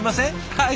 はい。